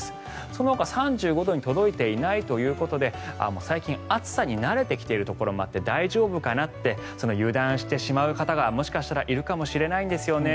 そのほか３５度に届いていないということで最近、暑さに慣れてきているところもあって大丈夫かなって油断してしまう方がもしかしたらいるかもしれないんですよね。